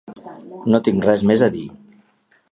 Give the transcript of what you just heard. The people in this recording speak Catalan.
No tinc res més a dir.